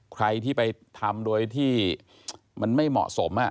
ใครที่ไปทำโดยที่มันไม่เหมาะสม